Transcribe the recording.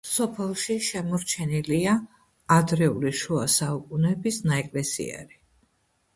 სოფელში შემორჩენილია ადრეული შუა საუკუნეების ნაეკლესიარი.